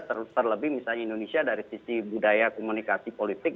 terlebih misalnya indonesia dari sisi budaya komunikasi politik